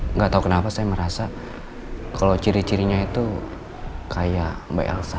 nggak tahu kenapa saya merasa kalau ciri cirinya itu kayak mbak elsa